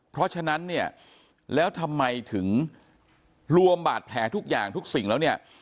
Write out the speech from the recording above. เพราะฉะนั้นเนี่ยแล้วทำไมถึงรวมบาดแผลทุกอย่างทุกสิ่งแล้วเนี่ย